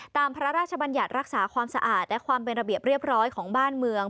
พระราชบัญญัติรักษาความสะอาดและความเป็นระเบียบเรียบร้อยของบ้านเมือง